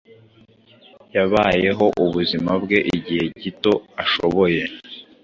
Yabayeho ubuzima bwe igihe gito ashoboye